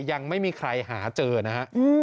ยังไม่มีใครหาเจอนะฮะ